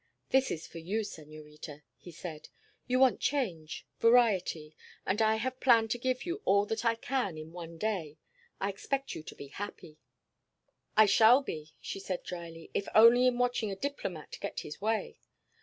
"This is for you, senorita," he said. "You want change, variety, and I have planned to give you all that I can in one day. I expect you to be happy." "I shall be," she said dryly, "if only in watching a diplomat get his way.